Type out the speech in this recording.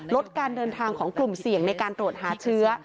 ลดการเดินทางของกลุ่มเสี่ยงในการตรวจหาเชื้อ